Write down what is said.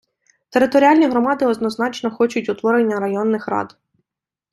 Територіальні громади однозначно хочуть утворення районних рад.